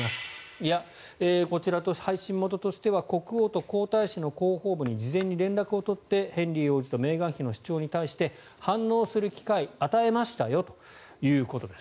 いや、配信元としては国王と皇太子の広報部に事前に連絡を取ってヘンリー王子とメーガン妃の主張に対して反応する機会を与えましたよということです。